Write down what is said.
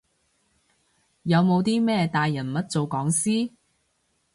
有冇啲咩大人物做講師？